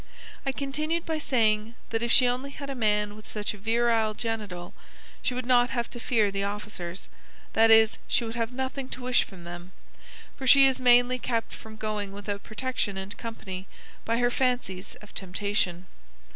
I continued by saying that if she only had a man with such a virile genital she would not have to fear the officers that is, she would have nothing to wish from them, for she is mainly kept from going without protection and company by her fancies of temptation.